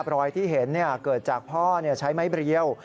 รอยที่เห็นเกิดจากพ่อใช้ไม้เรียว